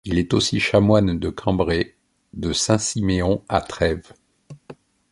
Il est aussi chanoine de Cambrai, de Saint-Siméon à Trèves.